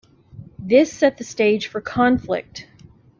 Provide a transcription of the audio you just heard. This set the stage for conflict.